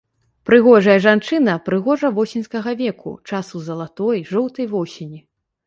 Прыгожая жанчына прыгожа-восеньскага веку, часу залатой, жоўтай восені.